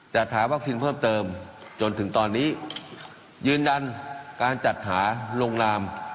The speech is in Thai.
จัดหาวัคซีนเพิ่มเติมจนถึงตอนนี้ยืนยันการจัดหาลงนาม